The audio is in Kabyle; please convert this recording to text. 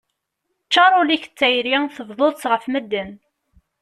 Ččar ul-ik d tayri tebḍuḍ-tt ɣef medden.